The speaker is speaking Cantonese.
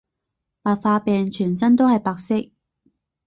白化病全身都係白色